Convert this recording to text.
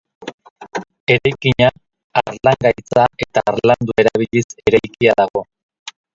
Eraikina harlangaitza eta harlandua erabiliz eraikia dago.